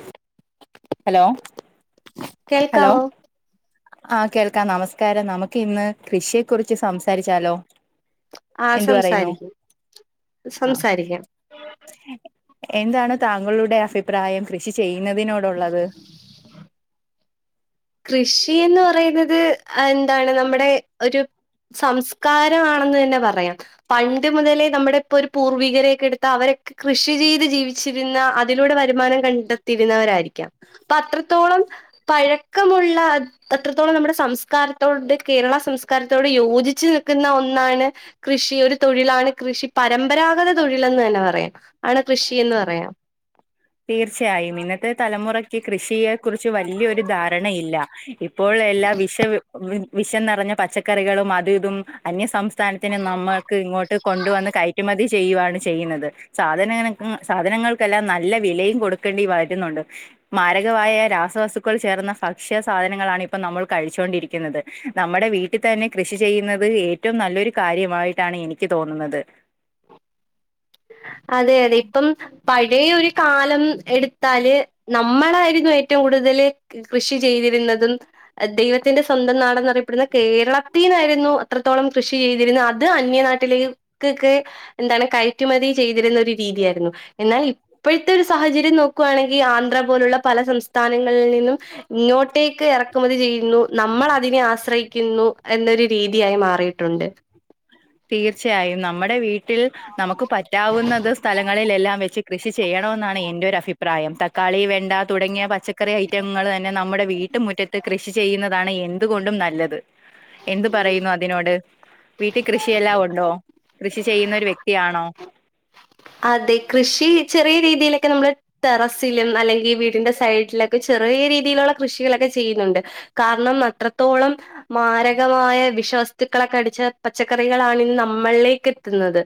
ഉം hello hello കേൾക്കാവോ ആ കേൾക്കാം നമസ്കാരം നമുക്ക് ഇന്ന് കൃഷിയെ കുറിച്ച് സംസാരിച്ചാലോ. ആ സംസാരിക്കു ആഹ് എന്താണ് താങ്കളുടെ അഭി പ്രായം കൃഷി ചെയ്യുന്നതിനോടുള്ളത്. കൃഷീന്ന് പറയുന്നത് എന്താണ് നമ്മുടെ ഒരു. സംസ്കാരം ആണെന്ന് തന്നെ പറയാം, പണ്ട് മുതലേ നമ്മുടെ ഇപ്പോ ഒരു പൂർവികരേയൊക്കെ എടുത്താ അവരെ. കൃഷി ചെയ്ത് ജീവിച്ചിരുന്ന അതിലൂടെ വരുമാനം കണ്ടെത്തിരുന്നവരായിരിക്കാം അപ്പ അത്രത്തോളം. ളം പഴക്ക ക്കമുള്ള അത്രത്തോളം നമ്മുടെ സംസ്കാരത്തോട് കേരള സംസ്കാരത്തോട് യോജിച്ച് നിൽക്കുന്ന ഒന്ന്. ന്നാണ് കൃഷി ഒരു തൊഴിലാണ് കൃഷി പരമ്പരാഗത തൊഴിലെന്ന് തന്നെ പറയാം ആണ് കൃഷിയെന്ന്. എന്ന് പറയാം തീർച്ചയായും ഇന്നത്തെ തലമുറയ്ക്ക് കൃഷിയെ കുറി ച്ചു വലിയ ഒരു ധാരണയില്ല ഇപ്പോൾ എല്ലാ വിഷം. വിഷം നെറഞ്ഞ പച്ചക്കറികളും അത് ഇതും അന്യസം സ്ഥാനത്തിന് നമുക്ക്‌ ഇങ്ങോട്ട് കൊണ്ടുവന്ന് കയറ്റുമതി. ചെയ്യുവാണ് ചെയ്യുന്നത് സാധനങ്ങൾക്കും സാധനങ്ങൾക്കെല്ലാം ന നല്ല വിലയും കൊടുക്കേണ്ടി വരുന്നുണ്ട് മാരകമായ രാസവസ്തുക്കൾ ചേർന്ന ഭക്ഷ്യ സാധനങ്ങളാണി ഇപ്പ നമ്മൾ കഴിച്ചൊണ്ടിരിക്കുന്നത് നമ്മടെ വീട്ടിൽ തന്നെ കൃഷി ചെയ്യുന്നത് ഏറ്റവും നല്ലൊരു കാര്യമായിട്ടാ ട്ടാണ് എനിക്ക് തോന്നുന്നത് അതെ അതെ ഇപ്പം പയ് വേ ഒരു കാലം എടുത്താല് നമ്മളായിരുന്നു ഏറ്റവും കൂടുതല് കൃഷി ചെയ്തിരു ന്നതും ദൈവത്തിന്റെ സ്വന്തം നാടെന്നറിയപ്പെടുന്ന കേരളത്തീന്നായിരുന്നു അത്രത്തോളം കൃഷി ചെയ്തിരുന്ന അ അത് അന്യ നാട്ടില് ക്‌ക്കെ എന്താണ് കൈ റ്റുമതി ചെയ്തിരുന്ന ഒരു രീതിയായിരുന്നു എന്നാൽ ഇപ്പഴ്ത്തൊരു സാഹചര്യം നോക്കുവാണെങ്കി ആന്ധ്ര പോലുള്ള പല സംസ്ഥാനങ്ങളിൽ നിന്നും ഇങ്ങോട്ടേക്ക് എറക്കുമതി ചെയ്യുന്നു നമ്മളതിനെ ആശ്രയിക്കുന്നു എന്നൊരു രീതിയായി മാറിയിട്ടുണ്ട് തീർച്ചയായും നമ്മടെ വീ ട്ടിൽ നമുക്ക് പറ്റാവുന്നത് സ്ഥലങ്ങളിലെല്ലാം വെച്ച് കൃഷി ചെയ്യണമെന്നാണ് എന്റെ ഒരു അഭി പ്രായം തക്കാളി വെണ്ട തുടങ്ങിയ പച്ചക്കറി ഐറ്റങ്ങൾ തന്നെ നമ്മുടെ വീട്ട്മുറ്റത്ത് കൃഷി ചെയ്യുന്നതാണ് എന്തുകൊണ്ടും നല്ലത് എന്ത് പറയുന്നു അതിനോട് വീട്ടി കൃഷിയെല്ലാം ഉണ്ടോ കൃഷി ചെയ്യുന്നൊരു വ്യക്തിയാണോ അതെ കൃഷി ചെറിയ രീതിയിലൊക്കെ നമ്മള് ടെറസിലും അല്ലെങ്കി വീടിന്റെ സൈഡിലൊക്കെ ചെറ് റ്യേ രീതിയിലുള്ള കൃഷികളൊക്കെ ചെയ്യുന്നുണ്ട് കാരണം അത്രത്തോളം മാരകമായ വിഷം വസ്തുക്കളൊക്കെ അടിച്ച പച്ചക്കറികളാണ് ഇന്ന് നമ്മളിലേക്ക് എത്തുന്നത്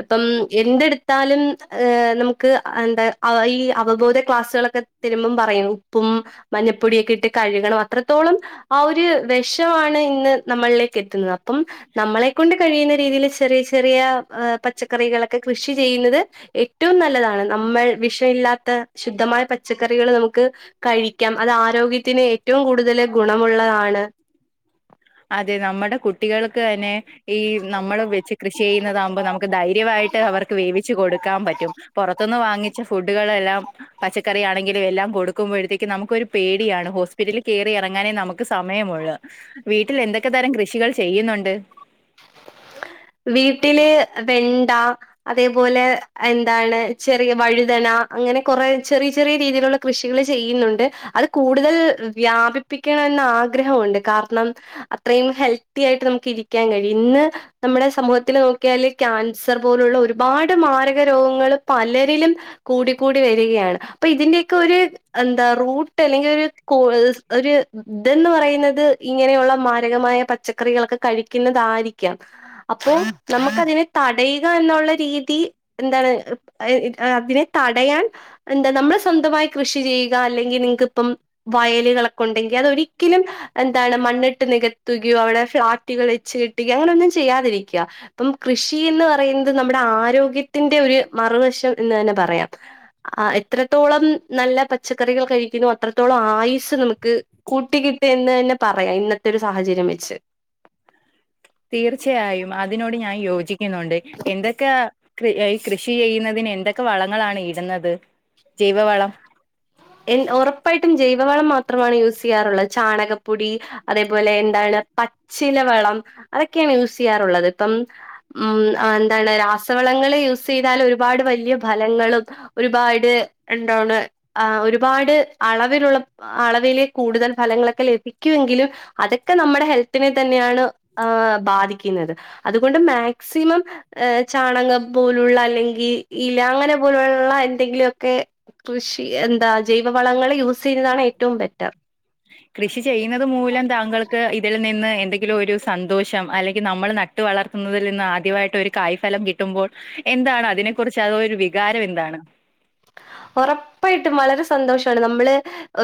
അപ്പം എന്ത്ട് ത്താലും ഹ് നമുക്ക് എന്താ ആ ഈ അവബോധ ക്ലാസ്സുകളൊക്കെ തെരുമ്പം പറയും ഉപ്പും ഉം മഞ്ഞപ്പൊടിയൊക്കെ ഇട്ട് കഴുകണം അത്രത്തോളം ആ ഒരു വെഷവാണ് ഇന്ന് നമ്മളിലേക്ക് എത്തുന്നത് അപ്പം നമ്മളെ കൊണ്ട് കഴിയുന്ന രീതിൽ ചെറിയ ചെറിയ പച്ചക്കറികളൊക്കെ കൃഷി ചെയ്യുന്നത് ഏറ്റവും നല്ലതാണ് നമ്മൾ വിഷമില്ലാത്ത ശുദ്ധമായ പച്ചക്കറികള് നമുക്ക് കഴിക്കാം അത് ആരോഗ്യത്തിന് ഏറ്റവും കൂടുതല് ഗുണമുള്ളതാണ് അതെ നമ്മടെ കുട്ടികൾക്ക് തന്നെ ഈ നമ്മള് വെച്ച് കൃഷി ചെയ്യുന്നതാവുമ്പോ നമുക്ക് ധൈര്യവായിട്ട് അവർക്ക് വേവിച്ച് കൊടുക്കാൻ പറ്റും പൊറത്തുന്ന് വാ ങ്ങിച്ച ഫുഡുകളെല്ലാം പച്ചക്കറിയാണങ്കിലു എല്ലാം കൊടുക്കുമ്പഴത്തേക്കും നമുക്കൊരു പേടിയാണ് ഹോസ്പിറ്റല് കേ കേറിഎറങ്ങാനേ നമുക്ക് സമയമുള്ളു വീട്ടിൽ എന്തൊക്കെ തരം കൃഷികൾ ചെയ്യുന്നുണ്ട് വീട്ടില് വെണ്ട അതേപോലെ എന്താണ് ചെറിയ വഴുതന അങ്ങനെ കുറെ ചെറിയ ചെറിയ രീതിയിലുള്ള കൃഷികൾ ചെയ്യുന്നുണ്ട് അത് കൂടുതൽ വ്യാപിപ്പിക്കാ ൻ ആഗ്രഹമുണ്ട് കാരണം അത്രയും ഹെൽത്തി ആയിട്ട് നമുക്ക് ഇരിക്കാൻ കഴി ഇന്ന് നമ്മുടെ സമൂഹത്തില് നോക്കിയാല് ക്യാൻസർ പോലുള്ള ഒരുപാട് മാരകരോഗങ്ങൾ പ പലരിലും കൂടി കൂടി വരുകയാണ് അപ്പോ ഇതിൻ്റെ ഒക്കെ ഒരു എന്താ റൂട്ട് അല്ലെങ്കി ഒരു കൂ ഒരു ഇതന്ന് പറയുന്നത് ഇങ്ങനെയുള്ള മാരകമായ പച്ചക്കറികളൊക്കെ കഴിക്കുന്ന താരിക്കാം അപ്പോ നമുക്ക് അതിനെ തടയുക എന്നുള്ള രീതി എന്താണ് അതിനെ തടയാൻ എന്താ നമ്മളെ സ്വന്തമായി കൃഷി ചെയ്യുക അല്ലെങ്കി നിങ്ങക്ക് ഇപ്പം വയലുകളൊക്കെ ഉണ്ടെങ്കി അതൊരിക്കലും എന്താണ് മണ്ണിട്ട് നികത്തുകയോ അവിടെ ഫ്ളാറ്റുകൾ വെച്ച് കെട്ടി അങ്ങനെ ഒന്നും ചെയ്യാതിരിക്ക്യ അപ്പം കൃഷി എന്ന് പറയുന്നത് നമ്മുടെ ആരോഗ്യത്തിന്റെ ഒരു മ മറുവശം എന്നു തന്നെ പറയാം ആഹ് എത്രത്തോളം നല്ല പച്ചക്കറികൾ കഴിക്കുന്നു അത്രത്തോളം ആ ആയുസ് നമുക്ക് കൂട്ടി കിട്ടി എന്ന് തന്നെ പറയാം ഇന്നത്തെ ഒരു സാഹചര്യം വെച്ച് [inaudible] തീർച്ചയായും അതിനോട് ഞാൻ യോജ് ജിക്കുന്നുണ്ട് എന്തൊക്കെ കൃ ഈ കൃഷി ചെയ്യുന്നതിന് എന്തൊക്കെ വളങ്ങളാണ് ഇടുന്നത് ജൈവ വളം എൻ ഒറപ്പായിട്ടും ജൈവവളം മാത്രമാണ് യൂസ് ചെയ്യാറുള്ളത് ചാണകപ്പൊടി അതേപോലെ എന്താണ് പച്ചില വളം അതെക്കെയാണ് യൂസ് ചെയ്യാറുള്ളത് ഇപ്പം മ് എന്താണ് രാസ വളങ്ങളൾ യൂസ് ചെയ്താൽ ഒരുപാട് വലിയ ഫലങ്ങളും ഒരുപാട് എന്താണ് ആ ഒരുപാട് അളവിലുള്ള അളവിലെ കൂടുതൽ ഫലങ്ങളൊക്കെ ലഭിക്കുമെങ്കിലും അതൊക്കെ നമ്മുടെ ഹെൽത്തിനെ തന്നെയാണ് ആഹ് ബാധിക്കുന്നത് അത് കൊണ്ട് മാസ്സിമം ചാണകം പോലുള്ള അല്ലെങ്കി ഇല അങ്ങനെ പോലുള്ള എന്തെങ്കിലൊക്കെ കൃഷി എന്താ ജൈവവളങ്ങളെ യൂസ് ചെയ്യുന്നതാണ് ഏറ്റവും ബെറ്റർ [inaudible] കൃഷി ചെയ്യുന്നത് മൂലം താങ്കൾക്ക് ഇതിൽ നിന്ന് എന്തെങ്കിലും ഒരു സന്തോഷം അല്ലെങ്കിൽ നമ്മൾ നട്ട് വളർ ന്നതിൽ നിന്ന് ആദ്യമായിട്ട് ഒരു കായ്ഫലം കിട്ടുമ്പോൾ എന്താണ് അതിനെ കുറിച്ച് അത് ഒരു വികാരം എന്താണ് [inaudible] ഉറപ്പായിട്ടും വളരെ സന്തോഷമാണ് നമ്മള്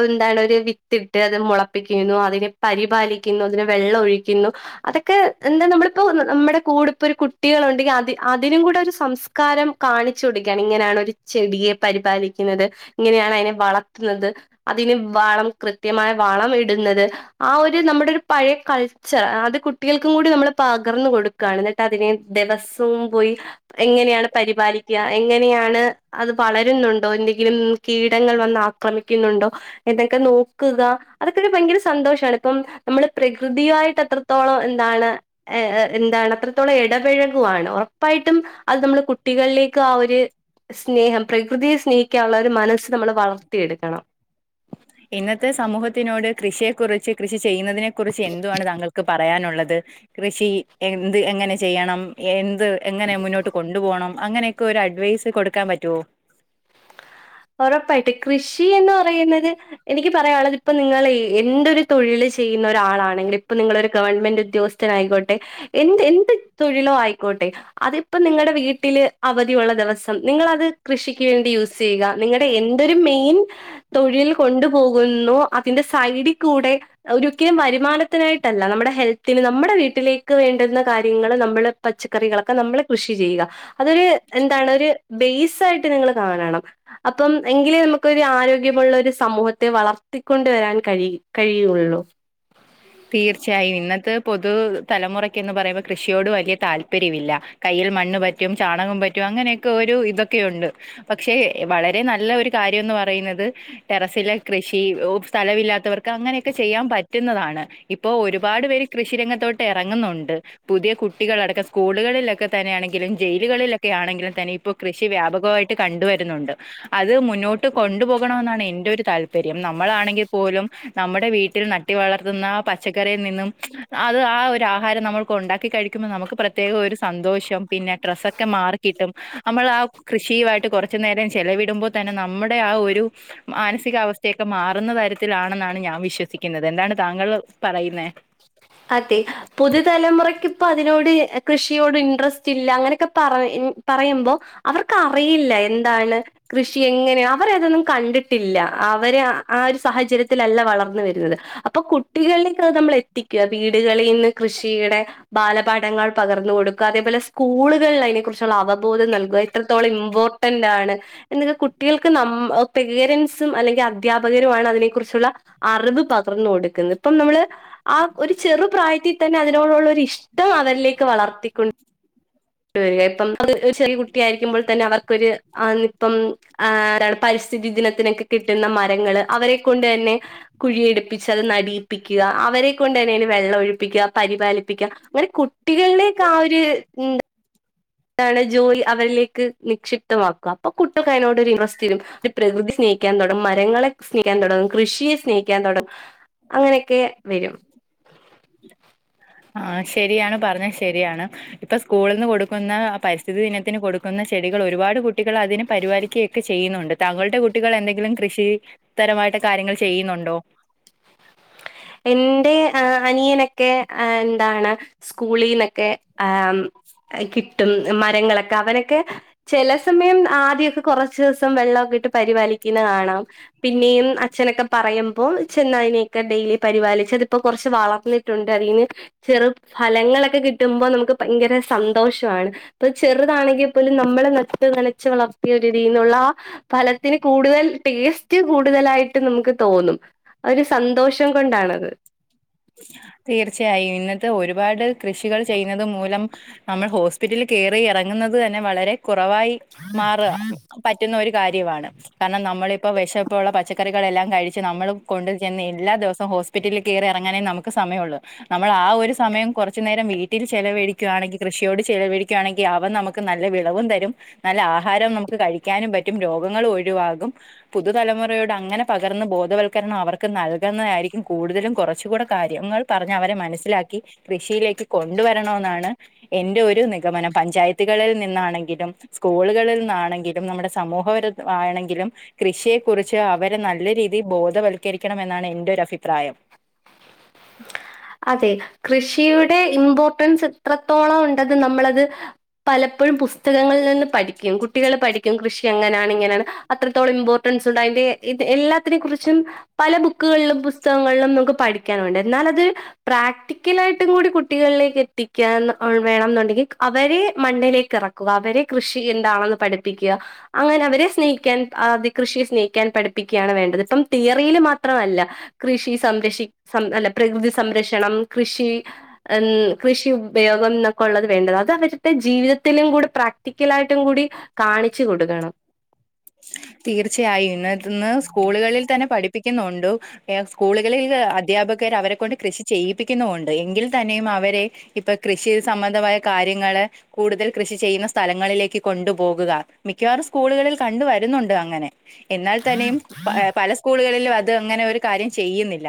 എന്താണ് ഒരു വിത്തിട്ട് അത് മുളപ്പിക്കുന്നു അതിനെ പരിപാലിക്കുന്നു അതിനെ വെള്ളം ഒഴിക്കുന്നു അതൊക്കെ എന്താ നമ്മളിപ്പോ നമ്മുടെ കൂടിപ്പൊ ഒരു കുട്ടി ഉണ്ടെങ്കിൽ അതിനും കൂടെ ഒരു സംസ്കാരം കാണിച്ചു കൊടുക്കാണ് ഇങ്ങനെയാണ് ഒരു ചെടിയെ പരിപാലിക്കുന്നത് ഇങ്ങനെയാണ് അതിനെ വളർത്തുന്നത് അതിന് വളം കൃത്യമായ വളം ഇടുന്ന ന്നത് ആ ഒരു നമ്മുടെ ഒരു പഴയ കൾച്ചർ അത് കുട്ടികൾക്കും കൂടി നമ്മൾ പകർന്നു കൊടുക്കുകയാണ് അതിനെ ദിവസം പോയി എങ്ങനെയാണ് പരിപാലിക്കുക എങ്ങനെയാണ് വളരുന്നുണ്ടോ എന്തെങ്കിലും കീടങ്ങൾ വന്ന ആക്രമിക്കുന്നുണ്ടോ എന്നൊക്കെ നോക്കുക അതൊക്കെ ഭയര സന്തോഷമാണ് ഇപ്പം നമ്മള് പ്രകൃതിയായിട്ട് അത്രത്തോളം എന്താണ് എന്താണ് അത്രത്തോളം ഇടപൊഴുകുവാണ് ഉറപ്പായിട്ടും അത് നമ്മള് കുട്ടികളിലേക്ക് ആ ഒരു സ്നേഹം പ്രകൃതിയെ സ്നേഹിക്കാനുള്ള ഒരു മനസ്സ് നമ്മള് വളർത്തിയെടുക്കണം ഇന്നത്തെ സമൂഹത്തിനോട് കൃഷിയെ കുറിച്ച് കൃഷി ചെയ്യുന്നതിനെ കുറിച്ച് എന്തുവാണ് താങ്കൾക്ക് പറയാനുള്ളത് ത് കൃഷി എന്ത് എങ്ങനെ ചെയ്യണം എന്ത് എങ്ങനെ മുന്നോട്ട് കൊണ്ടുപോകണം അങ്ങനെയൊക്കെ ഒരു അഡ്വൈസ് കൊടുക്കാൻ പറ്റുവോ ഉറപ്പായിട്ട് കൃഷി എന്ന് പറയുന്നത് എനിക്ക് പറയാനുള്ളത് ഇപ്പം നിങ്ങൾ എന്റെൊരു തൊഴിൽ ചെയ്യുന്ന ഒരാളാണെങ്കിൽ ഇപ്പൊ നിങ്ങള് ഒരു ഗവൺമെന്റ് ഉദ്യോഗസ്ഥൻ ആയിക്കോട്ടെ എന്ത് എന്ത് തൊഴിലോ ആയിക്കോട്ടെ അതിപ്പം നിങ്ങളുടെ വീട്ടില് അവധിയുള്ള ദിവസം നിങ്ങളത് കൃഷിക്ക് വേണ്ടി യൂസ് ചെയ്യുക നിങ്ങളുടെ എന്തൊരു മെയിൻ തൊഴിൽ കൊണ്ടു പോകുന്നു അതിന്റെ സൈഡിൽ കൂടെ ഒരിക്കലും വരുമാനത്തിനായിട്ടല്ല നമ്മുടെ ഹെൽത്തിന് നമ്മുടെ വീട്ടിലേക്ക് വേണ്ടുന്ന കാര്യങ്ങൾ നമ്മള് പച്ചക്കറി കളെക്കെ നമ്മള് കൃഷി ചെയ്യാ അതൊരു എന്താണ് നിങ്ങളൊരു ബേസ് ആയിട്ട് കാണണം അപ്പം എങ്കിലേ നമുക്ക് ഒരു ആരോഗ്യമുള്ള ഒരു സമൂഹത്തെ വളർത്തിക്കൊണ്ട് വരാൻ കഴി കഴിയുള്ളു തീർച്ചയായും ഇന്നത്തെ പൊതു തലമുറയ്ക്ക്ന്ന് പറയുമ്പോ കൃഷിയോട് വലിയ താല്പര്യമില്ല കൈ ൽ മണ്ണ് പറ്റും ചാണകം പറ്റും അങ്ങനെയൊക്കെ ഒരു ഇതൊക്കെ ഉണ്ട് പക്ഷെ വളരെ നല്ല ഒരു കാര്യ എന്ന് പറയുന്നത് ടെറസിലെ കൃഷി സ്ഥലമില്ലാത്തവർക്ക് അങ്ങനെയൊക്കെ ചെയ്യാൻ പറ്റുന്നതാണ് ഇപ്പൊ ഒരുപാട് പേര് കൃഷി രംഗത്തോട്ട് ഇറങ്ങുന്നുണ്ട് പുതിയ കുട്ടികൾ അടക്കം സ്കൂളുകളിലൊക്കെ തന്നെ ആണെങ്കിലും ജയിലുകളിലൊയാണെങ്കിലും തന്നെ ഇപ്പോ കൃഷി വ്യാപകമായിട്ട് കണ്ട് വരുന്നുണ്ട് അത് മുന്നോട്ട് കൊണ്ടുപോകണമെന്നാണ് എന്റൊരു താല്പര്യം നമ്മളാണെങ്കിൽ പോലും നമ്മുടെ വീട്ടിൽ നട്ട് വളർത്തുന്ന പച്ചക്കറിയിൽ നിന്നും അത് ആ ഒരാഹാരം നമ്മൾക്ക് ഉണ്ടാക്കിക്കഴിക്കുമ്പൊ നമുക്ക് പ്രത്യേകൊരു സന്തോഷം പിന്നെ ട്രസ്സൊക്കെ മാറിക്കിയിട്ടും നമ്മൾ ആ കൃഷിയുമായിട്ട് കുറച്ചുനേരം ചെലവിടുമ്പോ തന്നെ നമ്മുടെ ആ ഒരു മാനസികാവസ്ഥയൊക്കെ മാറുന്ന തരത്തിലാണെന്നാണ് ഞാൻ വിശ്വസിക്കുന്നത് എന്താണ് താങ്കള് പറയുന്നേ അതെ പുതുതലമുറക്ക് ഇപ്പതിനോട് കൃഷിയോട് ഇൻട്രസ്റ്റില്ല അങ്ങനൊക്കെ പറ പറയുമ്പോ അവർക്കറിയില്ല എന്താണ് കൃഷിയെങ്ങനെ അവരതൊന്നും കണ്ടിട്ടില്ല അവര് ആ ഒരു സാഹചര്യത്തിലല്ല വളർന്ന് വരുന്നത് അപ്പൊ കുട്ടികളിലേക്കത് നമ്മൾ എത്തിക്ക വീടുകളിനിന്ന് കൃഷിയുടെ ബാലപാഠങ്ങൾ പകർന്നു കൊടുക്കുക അതേപോലെ സ്കൂളുകളിൽ അയിനെ ക്കുറിച്ചുള്ള അവബോധം നൽകുക എത്രത്തോളം ഇമ്പോർട്ടന്റാണ് എന്നിങ്നെ കുട്ടികൾക്ക് നമ്മ പാരന്റ് സും അല്ലെങ്കിൽ അധ്യാപകരുമാണ് അതിനെക്കുറിച്ചുള്ള അറിവ് പകർന്ന് കൊടുക്കുന്നത് ഇപ്പം നമ്മള് ആ ഒരു ചെറു പ്രായത്തിതന്നെ അതിനോടുള്ളൊരിഷ്ടം അവരിലേക്ക് വളർത്തിക്കൊണ്ട് ഇപ്പം ഒരു ചെറിയ കുട്ടിയ ആയിരിക്കുമ്പോൾ തന്നെ അവർക്കൊരു ഇവനിപ്പം ആരാണ് പരി സ്ഥിതിദിനത്തിനൊക്കെ കിട്ടുന്ന മരങ്ങള് അവരെക്കൊണ്ട് തന്നെ കുഴിയെടുപ്പിച്ച് അത് നടീപ്പിക്കുക അവരെക്കൊണ്ട് തന്നെ അയിന് വെള്ളം ഒഴിപ്പിക്കുക പരിപാലിപ്പിക്കുക അങ്ങനെ കുട്ടികളിലേക്കാഒര് അതാണ് ജോലി അവരിലേക്ക് നിക്ഷിപ്തമാക്കുക അപ്പൊ കുട്ടികക്കയിനോടൊരിണ്ട്രസ്റ്റ് വരും പ്രകൃതി സ്നേഹി ഹിക്കാൻ തൊടങ്ങും മരങ്ങളെ സ്നേഹിക്കാൻ തൊടങ്ങും കൃഷിയെ സ്നേഹിക്കാൻ തൊടങ്ങും അങ്ങനെയൊക്കെ വരും ആഹ് ശെരിയാണ് പറഞ്ഞത് ശെരിയാണ് ഇപ്പൊ സ്കൂളിന്ന് കൊടുക്കുന്ന പരിസ്ഥിതി ദിനത്തിന് കൊടുക്കുന്ന ന്ന ചെടികൾ ഒരുപാട് കുട്ടികൾ അതിന് പരിപാലിക്കുകയൊക്കെ ചെയ്യുന്നുണ്ട് താങ്കളുടെ കുട്ടികൾ എന്തെങ്കിലും കൃഷി തര മായിട്ട് കാര്യങ്ങൾ ചെയ്യുന്നുണ്ടോ എന്റെ ആ അനിയനൊക്കെ എന്താണ് സ്കൂളിന്നൊക്കെ ആ കിട്ടും മരങ്ങളൊക്കെ അവനൊക്കെ ചെലസമയം ആദ്യൊക്കെ കുറച്ച്സം വെള്ളൊക്കാ യിട്ട് പരിപാലിക്കുന്നെ കാണാം പിന്നെയും അച്ഛനൊക്കെ പറയുമ്പൊ ചെന്നതിനെയൊക്കെ ഡെയ്‌ലി പരിപാലിച്ച് അതിപ്പൊ കുറച്ച് വളർന്നിട്ടുണ്ട് അതിന്ന് ചെറു ഫലങ്ങളൊക്കെ കിട്ടുമ്പോ നമുക്ക് ഭയങ്കര സന്തോഷമാണ് ഇപ്പൊ ചെറുതാണെങ്കിപോലും നമ്മള് നട്ടുനനച്ച് വളർത്തിയ ചെടിയിന്നുള്ള ഫലത്തിന് കൂടുതൽ ടേസ്റ്റ് കൂടുതലായിട്ട് നമുക്ക്തോന്നും ഒരു സന്തോഷം കൊണ്ടാണത് തീർച്ചയായും ഇന്നത്തെ ഒരുപാട് കൃഷികൾ ചെയ്യുന്നുന്നത് മൂലം നമ്മൾ ഹോസ്പിറ്റലിൽ കേറി ഇറങ്ങുന്നത് തന്നെ വളരെ കുറവായി മാറ്ആ പറ്റുന്നൊര് കാര്യമാണ് കാരണം നമ്മളിപ്പോ വെഷോക്കുള്ള പച്ചക്കറികളെല്ലാം കഴിച്ച് നമ്മൾ കൊണ്ട് ചെന്ന് എല്ലാദിവസവും ഹോസ്പിറ്റലിൽ കേറാ അങ്ങനെ നമുക്ക് സമയുള്ളൂ നമ്മൾ ആ ഒരു സമയം കുറുച്ചുനേരം വീട്ടിൽ ചെലവഴിക്കുവാണെങ്കി കൃഷിയോട് ചിലവ ഴിക്കാണെങ്കിൽ അവ നമുക്ക് നല്ല വിളവുംതരും നല്ല ആഹാരവും നമുക്ക് കഴിക്കാനും പറ്റും രോഗങ്ങളും ഒഴിവാകും പുതുതലമുറയോട് അങ്ങനെ പകർന്ന് ബോധവൽക്കരണം അവർക്ക് നൽകുന്നതായിരിക്കും കൂടുതലും കുറച്ചും കൂടെ കാര്യങ്ങൾ പറഞ്ഞ് അവരെ മനസ്സിലാക്കി കൃഷിയിലേക്ക് കൊണ്ടുവരണമെന്നാണ് എന്റെ ഒരു നിഗ മനം പഞ്ചായത്തുകളിൽ നിന്നാണെങ്കിലും സ്കൂളുകളിൽ നിന്നാണെങ്കിലും നമ്മുടെ സമൂഹപരമാണെങ്കിലും കൃഷിയെക്കുറിച്ച് അവരെ നല്ല രീതിയിൽ ബോധവൽക്കരിക്കണം എന്നാണ് എന്റെ ഒരു അഭിപ്രായം അതെ കൃഷിയുടെ ഇമ്പോർട്ടൻസ് എത്രത്തോളം ഉണ്ടന്ന് നമ്മളത് പല പ്പഴും പുസ്തകങ്ങളിൽ നിന്ന് പഠിക്കും കുട്ടികള് പഠിക്കും കൃഷി അങ്ങനാണ് ഇങ്ങനാണ് അത്രത്തോളം ഇമ്പോർട്ടൻസുണ്ടയിന് എല്ലാത്തിനെക്കുറിച്ചും പല ബുക്കുകളിലും പുസ്തകങ്ങളിലും നമുക്ക് പഠിക്കാനുണ്ട് എന്നാലത് പ്രാക്ടിക്കലായിട്ടും കൂടി കുട്ടികളിലേക്ക് എത്തിക്കാൻ വേണംന്നുണ്ടെങ്കിൽ അവരെ മണ്ണിലേകക്കെ റക്കുക അവരെ കൃഷി എന്താണെന്ന് പഠിപ്പിക്കുക അങ്ങനെ അവരെ സ്നേഹിക്കാൻ കൃഷിയെ സ്നേഹിക്കാൻ പഠപ്പിക്കുകയാണ് വേണ്ടത് ഇപ്പം തിയറിയില്മാത്രമല്ല കൃഷി സംരക്ഷി സം അല്ല പ്രകൃതി സം സംരക്ഷണം കൃഷി കൃഷിഉപയോഗം എന്നൊക്കുള്ളത് വേണ്ടത് അതവരുടെ ജീവിത ത്തിനും കൂടി പ്രാക്ടിക്കലായിട്ടും കൂടി കാണിച്ചു കൊടുക്കണം തീർച്ചയായും ഇന്ന് ഇന്ന് സ്കൂളുകളിൽ തന്നെ പഠിപ്പിക്കുന്നുണ്ട് എ സ്കൂളുകളിൽ അധ്യാപക അവരെ കൊൊണ്ട് കൃഷി ചെയ്യിപ്പിക്കുന്നുണ്ട് എങ്കിൽ തന്നെയും അവരെ ഇപ്പൊ കൃഷി സംബന്ധമായ കാര്യങ്ങളൾ കൂടുതൽ കൃഷി ചെയ്യുന്ന സ്ഥലങ്ങളിലേക്ക് കൊണ്ടു പോോകുക മിക്കവാറും സ്കൂളുകളിൽ കണ്ടര ണ്ട് അങ്ങനെ എന്നാൽ തന്നെയും പല സ്കൂളുകളിലും അത് അങ്ങനെ ഒരു കാര്യം ചെയ്യുന്നില്ല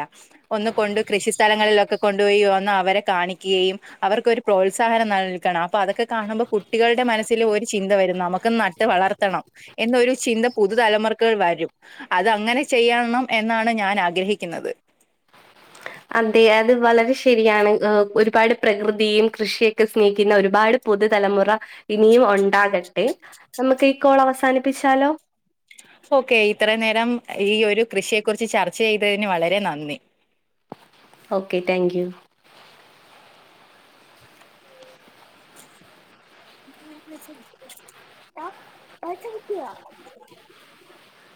ഒന്ന് കൊണ്ട് കൃഷി സ്ഥലങ്ങളിലൊക്കെ കൊണ്ടുപോയിന്ന അവരെ കാണിക്കുകയും അവർക്കൊരു പ്രോത്സാഹനം നൽക്കണം അപ്പോ അതൊക്കെ കാണുമ്പോ കുട്ടികളുടെ മനസ്സിൽ ഒരു ചിന്ത വരുന്ന നമുക്ക് നട്ട് വളർത്തണം എന്നൊരു ഇ പുതുതലമുറക്കകൾ വരും അത് അങ്ങനെ ചെയ്യണം എന്നാണ് ഞാൻ ആഗ്രഹിക്കുന്നത് അതെ അത് വളരെ ശരിയാണ് ഒരുപാട് പ്രകൃതിയും കൃഷിയൊക്കെ സ്നേഹിക്കുന്ന ഒരുപാട് പുതുതലമുറ ഇനിയും ഉണ്ടാകട്ടെ നമുക്ക് ക്കൾ അവസാനിപ്പിച്ചാലോ ഓക്കെ ഇത്ര നേരം ഈ ഒരു കൃഷിയെ കുറിച്ച് ചർച്ച ചെയ്തതിന് വളരെ നന്ദി ഓക്കെ താങ്ക് യൂ ആ പച്ചക്കയ